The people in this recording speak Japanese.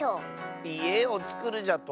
いえをつくるじゃと？